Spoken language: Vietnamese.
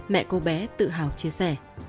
mẹ cô bé tự hào chia sẻ